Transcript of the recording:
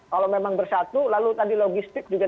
kalau memang bersatu lalu tadi logistik juga